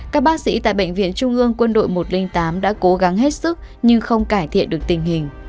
các bác sĩ tại bệnh viện trung ương quân đội một trăm linh tám đã cố gắng hết sức nhưng không cải thiện được tình hình